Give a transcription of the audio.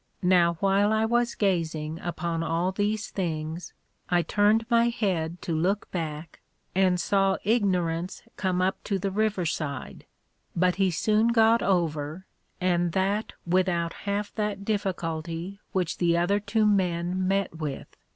Now while I was gazing upon all these things, I turned my head to look back, and saw Ignorance come up to the River side; but he soon got over, and that without half that difficulty which the other two men met with.